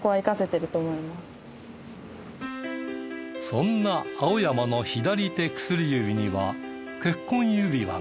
そんな青山の左手薬指には結婚指輪が。